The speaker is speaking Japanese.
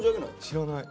知らない。